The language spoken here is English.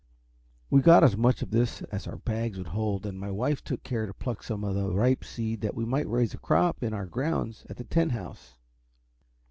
We got as much of this as our bags would hold, and my wife took care to pluck some of the ripe seed, that we might raise a crop in our grounds at Tent House.